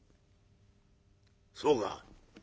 「そうか。